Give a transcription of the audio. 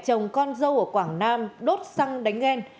chồng con dâu ở quảng nam đốt xăng đánh ghen